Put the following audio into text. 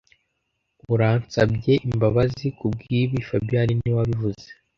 Uransabye imbabazi kubwibi fabien niwe wabivuze